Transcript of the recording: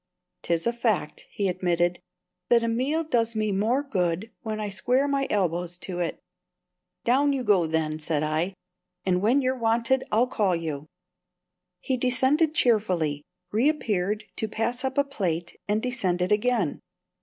"'Tis a fact," he admitted, "that a meal does me more good when I square my elbows to it." "Down you go, then," said I; "and when you're wanted I'll call you." He descended cheerfully, reappeared to pass up a plate, and descended again.